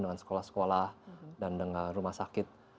dengan sekolah sekolah dan dengan rumah sakit